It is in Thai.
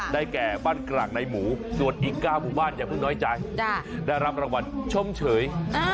แก่บ้านกรากในหมูส่วนอีก๙หมู่บ้านอย่าเพิ่งน้อยใจได้รับรางวัลชมเฉย